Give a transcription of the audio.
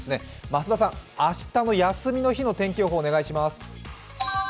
増田さん、明日の休みの日の天気予報をお願いします。